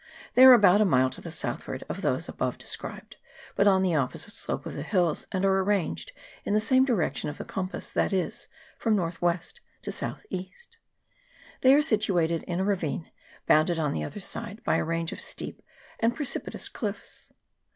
They are about a mile to the southward of those above described, but on the opposite slope of the hills, and are arranged in the same direction of the compass, that is, from north west to south east. They are situated in a ravine, bounded on the other side by a range of steep and precipitous cliffs.